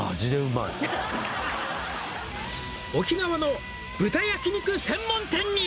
「沖縄の豚焼肉専門店に」